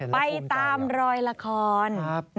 ไปตามรอยละคร